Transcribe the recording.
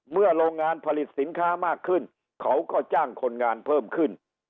โรงงานผลิตสินค้ามากขึ้นเขาก็จ้างคนงานเพิ่มขึ้น